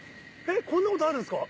こんなことあるんですか？